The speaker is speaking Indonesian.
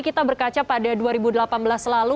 kita berkaca pada dua ribu delapan belas lalu